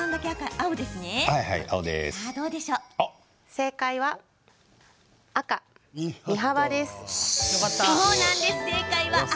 正解は赤・身幅です。